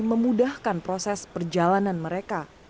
memudahkan proses perjalanan mereka